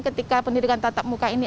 ketika pendidikan tatap muka ini